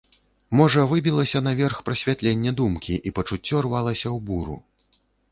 Можа выбілася наверх прасвятленне думкі, і пачуццё рвалася ў буру.